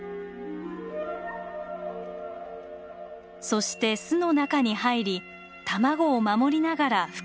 そして巣の中に入り卵を守りながらふ化を待ちます。